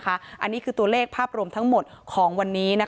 อันนี้คือตัวเลขภาพรวมทั้งหมดของวันนี้